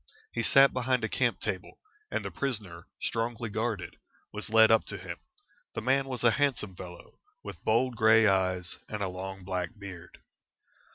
He sat behind a camp table, and the prisoner, strongly guarded, was led up to him. The man was a handsome fellow, with bold grey eyes and a long black beard.